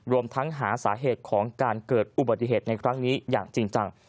รวมทั้งหาสาเหตุของการเกิดอุบัติเหตุในครั้งนี้อย่างจริงจัง